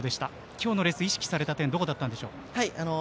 今日のレース意識された点どこでしょう？